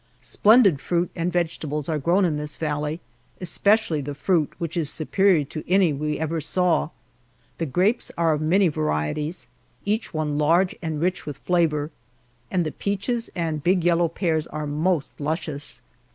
Splendid fruit and vegetables are grown in this valley especially the fruit, which is superior to any we ever saw. The grapes are of many varieties, each one large and rich with flavor, and the peaches and big yellow pears are most luscious.